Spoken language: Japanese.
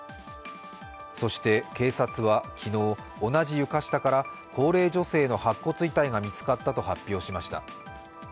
そして警察は昨日同じ床下から高齢女性の白骨遺体が見つかったと発表しました。